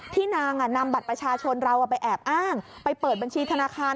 นางนำบัตรประชาชนเราไปแอบอ้างไปเปิดบัญชีธนาคาร